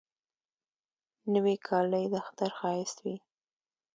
نوې کالی د اختر ښایست وي